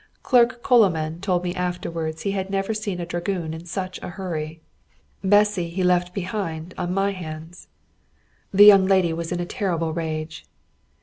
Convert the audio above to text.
Clerk Coloman told me afterwards he had never seen a dragoon in such a hurry. Bessy he left behind on my hands. The young lady was in a terrible rage.